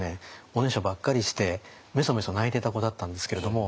おねしょばっかりしてめそめそ泣いてた子だったんですけれども。